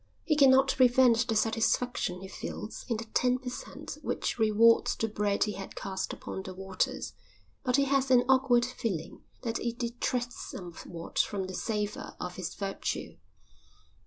He cannot prevent the satisfaction he feels in the ten per cent which rewards the bread he had cast upon the waters, but he has an awkward feeling that it detracts somewhat from the savour of his virtue.